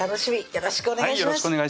よろしくお願いします